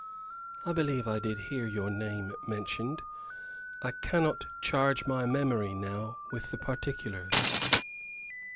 "I believe I did hear your name mentioned. I cannot charge my memory now with the particulars."